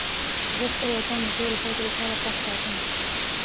زه خپل وطن د ټولو خلکو لپاره خوښ ساتم.